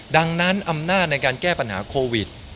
ดังนั้นอำนาจในการแก้ปัญหาโควิด